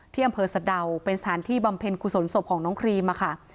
ที่อำเภอสะดาวเป็นสถานที่บำเพ็ญกุศลศพของน้องครีมค่ะ